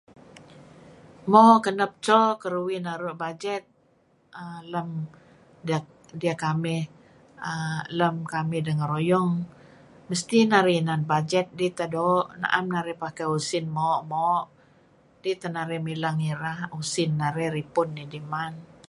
Moq kanap so karu'uih naruh bajet, [aah]lam [dat..] daih kamih[aah] lam kamih ngaruyung, masti narih inan bajet dih tah do, naam narih pakai usin mu'oh mu'oh, dih tah narih mi'lah gi'rah usin, ripun idih man...